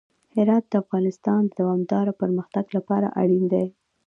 هرات د افغانستان د دوامداره پرمختګ لپاره اړین دي.